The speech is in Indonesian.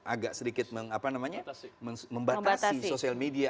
agak sedikit membatasi sosial media